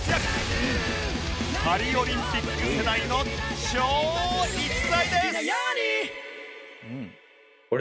パリオリンピック世代の超逸材です！